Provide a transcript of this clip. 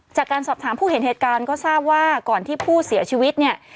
จากการสอบถามผู้เห็นเหตุการณ์ก็ทราบว่าก่อนที่ผู้เสียชีวิตเนี่ย